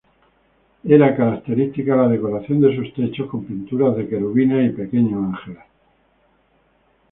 Era característica la decoración de sus techos con pinturas de querubines y pequeños ángeles.